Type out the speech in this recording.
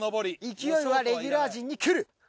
勢いはレギュラー陣に来る。